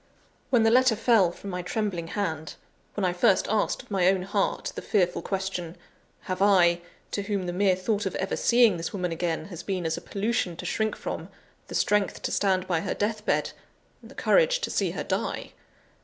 When the letter fell from my trembling hand, when I first asked of my own heart the fearful question: "Have I, to whom the mere thought of ever seeing this woman again has been as a pollution to shrink from, the strength to stand by her death bed, the courage to see her die?"